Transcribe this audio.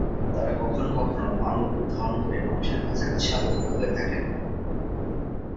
তারা কখনো কখনো মানব রূপ ধারণ করে মানুষের কাছাকাছি আবির্ভূত হয়ে থাকেন।